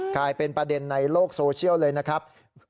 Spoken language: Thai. กลายเป็นประเด็นในโลกโซเชียลเลยนะครับ